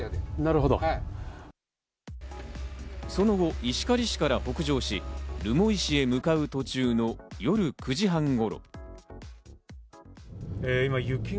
その後、石狩市から北上し、留萌市へ向かう途中の夜９時半頃。